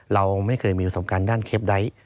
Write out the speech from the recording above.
เราไม่เคยมีอุปสรรค์การด้านเคล็ปไดท์